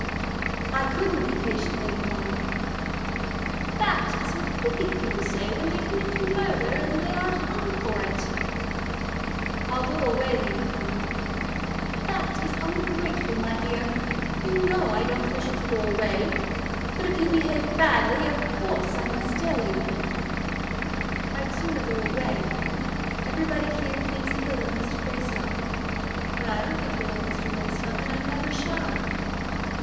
"I couldn't be patient, Lady Fawn." "That is what wicked people say when they commit murder, and then they are hung for it." "I'll go away, Lady Fawn " "That is ungrateful, my dear. You know that I don't wish you to go away. But if you behave badly, of course I must tell you of it." "I'd sooner go away. Everybody here thinks ill of Mr. Greystock. But I don't think ill of Mr. Greystock, and I never shall.